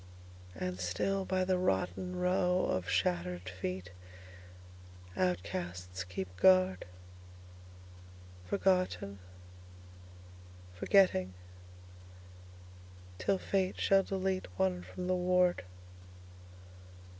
And still by the rottenRow of shattered feet, Outcasts keep guard. Forgotten, Forgetting, till fate shall deleteOne from the ward.